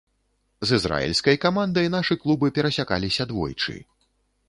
З ізраільскай камандай нашы клубы перасякаліся двойчы.